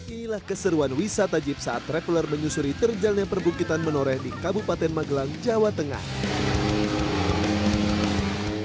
inilah keseruan wisata jeep saat traveler menyusuri terjalnya perbukitan menoreh di kabupaten magelang jawa tengah